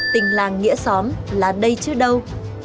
tình làng nghĩa xóm là đây chứ đâu